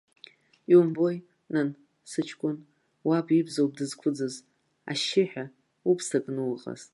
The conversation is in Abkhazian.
Иумбои, нан, сыҷкәын, уаб ибз ауп дызқәыӡыз, ашьшьыҳәа, убз ҭакны уҟаз.